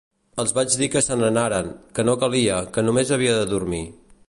Els vaig dir que se n'anaren, que no calia, que només havia de dormir.